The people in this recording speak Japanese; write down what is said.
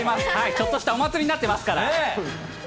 ちょっとしたお祭りになってますから。